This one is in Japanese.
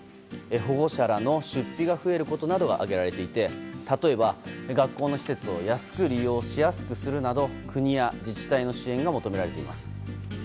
保護者らの出費が増えることなどが挙げられていて例えば、学校の施設を安く利用しやすくするなど国や自治体の支援が求められています。